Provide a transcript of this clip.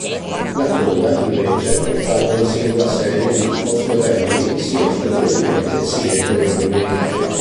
La coda, invece, portava una singola serie di osteodermi sia superiormente, sia inferiormente.